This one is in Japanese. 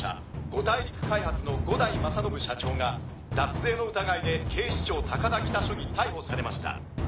五大陸開発の五大正信社長が脱税の疑いで警視庁高田北署に逮捕されました」